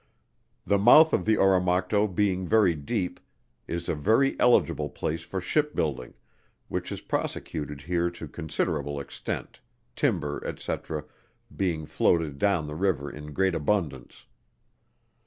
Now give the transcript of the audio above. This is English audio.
The mouth of the Oromocto being very deep, is a very eligible place for ship building, which is prosecuted here to considerable extent, timber, &c. being floated down the river in great abundance.